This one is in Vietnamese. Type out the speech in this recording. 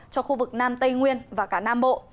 cho khu vực nam tây nguyên và cả nam bộ